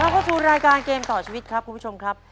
เข้าสู่รายการเกมต่อชีวิตครับคุณผู้ชมครับ